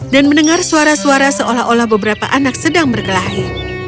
dan mendengar suara suara seolah olah beberapa anak sedang berkelahi